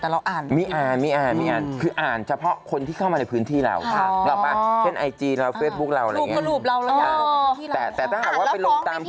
เราไม่อ่านเพราะเราอ่ะอ่านแล้วโฟคไหม